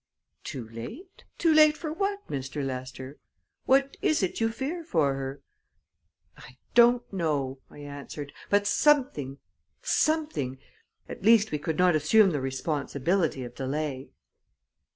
"Too late? Too late for what, Mistair Lester? What is it you fear for her?" "I don't know," I answered; "but something something. At least, we could not assume the responsibility of delay."